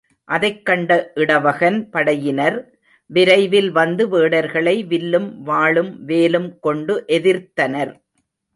அதைக் கண்ட இடவகன் படையினர், விரைவில் வந்து வேடர்களை வில்லும் வாளும் வேலும் கொண்டு எதிர்த்தனர்.